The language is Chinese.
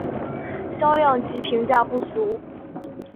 销量及评价不俗。